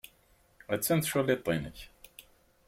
Attan tculliḍt-nnek.